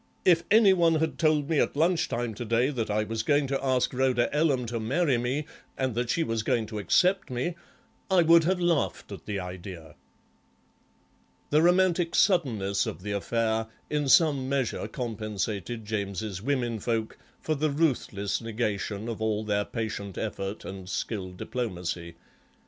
"If any one had told me at lunch time to day that I was going to ask Rhoda Ellam to marry me and that she was going to accept me I would have laughed at the idea." The romantic suddenness of the affair in some measure compensated James's women folk for the ruthless negation of all their patient effort and skilled diplomacy.